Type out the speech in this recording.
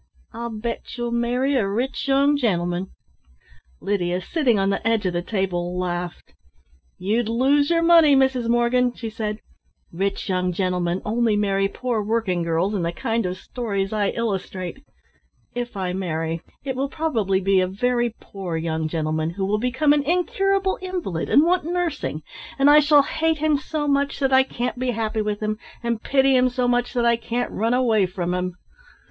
I'll bet you'll marry a rich young gentleman." Lydia, sitting on the edge of the table, laughed. "You'd lose your money, Mrs. Morgan," she said, "rich young gentlemen only marry poor working girls in the kind of stories I illustrate. If I marry it will probably be a very poor young gentleman who will become an incurable invalid and want nursing. And I shall hate him so much that I can't be happy with him, and pity him so much that I can't run away from him."